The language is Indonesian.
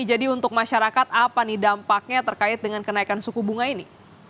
jadi untuk masyarakat apa nih dampaknya terkait dengan kenaikan suku bunga ini